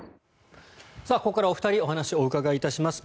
ここからお二人にお話をお伺いします。